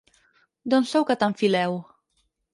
D'on sou que tant fileu?